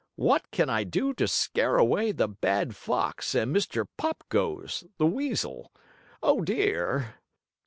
"What can I do to scare away the bad fox and Mr. Pop Goes, the weasel? Oh, dear!"